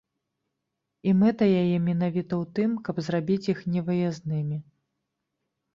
І мэта яе менавіта ў тым, каб зрабіць іх невыязднымі.